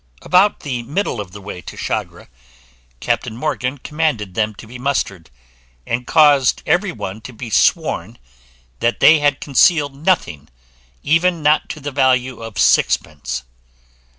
About the middle of the way to Chagre, Captain Morgan commanded them to be mustered, and caused every one to be sworn, that they had concealed nothing, even not to the value of sixpence.